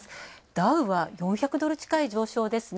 ダウは４００ドル近い上昇ですね。